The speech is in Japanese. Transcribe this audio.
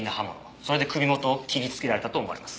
それで首元を切りつけられたと思われます。